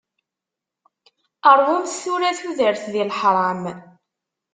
Rwumt tura tudert di laḥram.